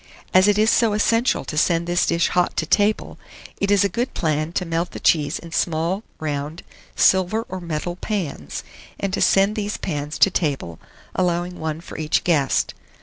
As it is so essential to send this dish hot to table, it is a good plan to melt the cheese in small round silver or metal pans, and to send these pans to table, allowing one for each guest.